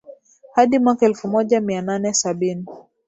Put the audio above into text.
hadi mwaka elfu moja mia nane sabin